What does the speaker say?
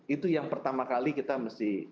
itu yang pertama kali kita mesti